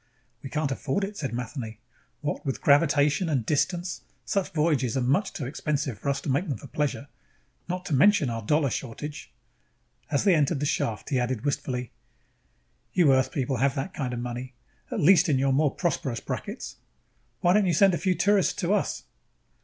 "We can't afford it," said Matheny. "What with gravitation and distance, such voyages are much too expensive for us to make them for pleasure. Not to mention our dollar shortage." As they entered the shaft, he added wistfully: "You Earth people have that kind of money, at least in your more prosperous brackets. Why don't you send a few tourists to us?"